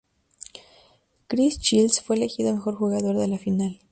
Chris Childs fue elegido mejor jugador de la final.